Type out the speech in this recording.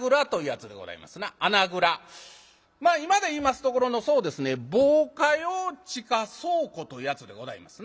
今で言いますところのそうですね防火用地下倉庫というやつでございますな。